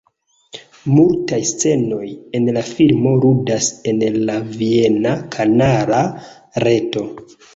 Multaj scenoj en la filmo ludas en la viena kanala reto.